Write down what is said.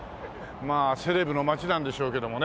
まあセレブの街なんでしょうけどもね。